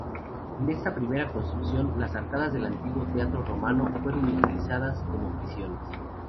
En esta primera construcción, las arcadas del antiguo teatro romano fueron utilizadas como prisiones.